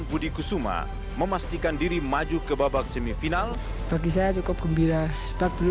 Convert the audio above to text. budi kusuma memastikan diri maju ke babak semifinal bagi saya cukup gembira tak perlu